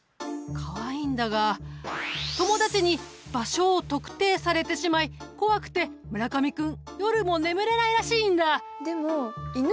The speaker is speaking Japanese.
かわいいんだが友達に場所を特定されてしまい怖くて村上君夜も眠れないらしいんだ。